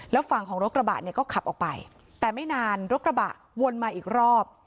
แล้วฝั่งของรถกระบะเนี่ยก็ขับออกไปแต่ไม่นานรถกระบะวนมาอีกรอบ